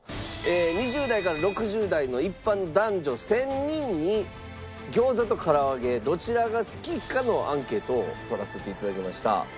２０代から６０代の一般男女１０００人に餃子とから揚げどちらが好きかのアンケートを取らせて頂きました。